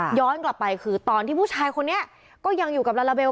ย้อนกลับไปคือตอนที่ผู้ชายคนนี้ก็ยังอยู่กับลาลาเบล